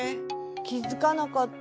きづかなかった。